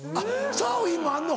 サーフィンもあんの。